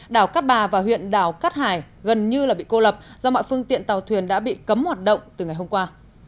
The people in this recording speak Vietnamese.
đảo cát bà và huyện đảo cát hải gần như là bị cô lập do mọi phương tiện tàu thuyền đã bị cấm hoạt động từ ngày hôm qua